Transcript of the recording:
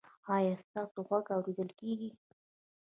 ایا ستاسو غږ اوریدل کیږي؟